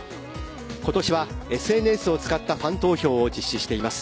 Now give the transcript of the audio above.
今年はＳＮＳを使ったファン投票を実施しています。